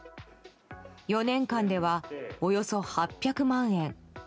４年間では、およそ８００万円。